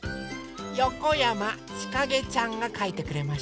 よこやまちかげちゃんがかいてくれました。